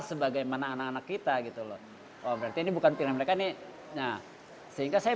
sebagaimana anak anak kita gitu loh oh berarti ini bukan pilihan mereka nih nah sehingga saya